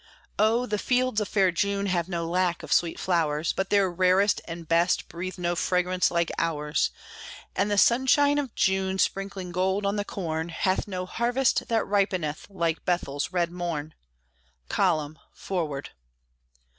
Oh! the fields of fair June have no lack of sweet flowers, But their rarest and best breathe no fragrance like ours; And the sunshine of June, sprinkling gold on the corn, Hath no harvest that ripeneth like Bethel's red morn "Column! Forward!"